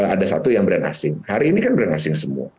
ada satu yang brand asing hari ini kan brand asing semua